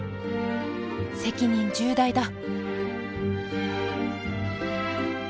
責任重大だ！